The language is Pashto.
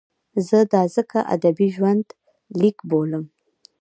زه دا ځکه ادبي ژوندلیک بولم.